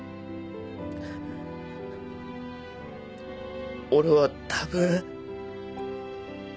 俺はたぶん。